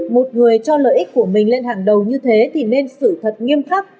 một người cho lợi ích của mình lên hàng đầu như thế thì nên xử thật nghiêm khắc